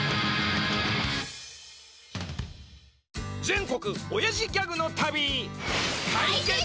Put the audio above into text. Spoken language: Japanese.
全国オヤジギャグの旅！